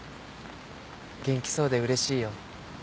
元気そうでうれしいよ